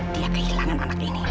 dia kehilangan anak ini